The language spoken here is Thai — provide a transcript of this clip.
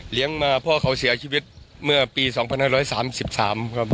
มาพ่อเขาเสียชีวิตเมื่อปี๒๕๓๓ครับ